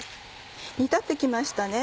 煮立って来ましたね。